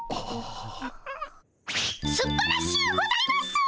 すばらしゅうございます！